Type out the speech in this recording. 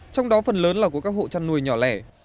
trong đó phần lớn là của các hộ chăn nuôi nhỏ lẻ